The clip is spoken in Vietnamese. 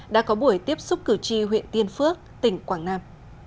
đã có buổi tiếp xúc cử tri huyện tiên phước tỉnh quảng nam